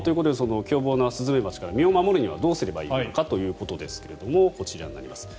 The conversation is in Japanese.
スズメバチから身を守るにはどうすればいいのかということですがこちらになります。